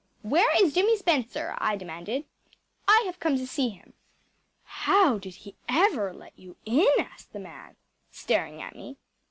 “Where is Jimmy Spencer?‚ÄĚ I demanded. “I have come to see him.‚ÄĚ “How did he ever let you in?‚ÄĚ asked the man, staring at me.